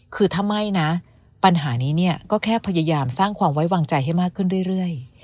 คือถ้าไม่นะปัญหานี้เนี่ยก็แค่พยายามสร้างความไว้วางใจให้มากขึ้นเรื่อย